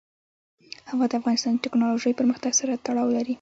هوا د افغانستان د تکنالوژۍ پرمختګ سره تړاو لري.